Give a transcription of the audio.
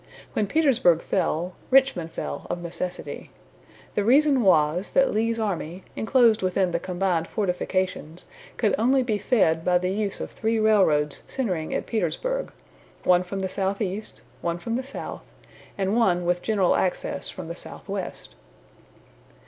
When Petersburg fell, Richmond fell of necessity. The reason was, that Lee's army, inclosed within the combined fortifications, could only be fed by the use of three railroads centering at Petersburg; one from the southeast, one from the south, and one with general access from the southwest.